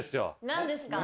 何がですか？